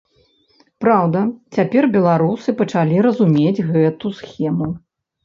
Праўда, цяпер беларусы пачалі разумець гэту схему.